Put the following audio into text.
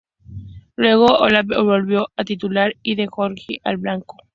Luego, Olave volvió a la titularidad y De Giorgi al banco.